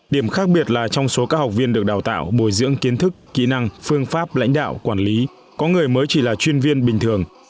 điểm khác biệt là trong số các học viên được đào tạo bồi dưỡng kiến thức kỹ năng phương pháp lãnh đạo quản lý có người mới chỉ là chuyên viên bình thường